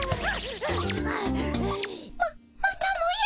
ままたもや。